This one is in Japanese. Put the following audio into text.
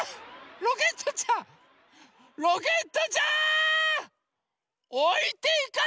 ロケットちゃん。